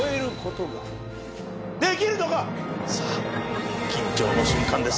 それをさあ緊張の瞬間です。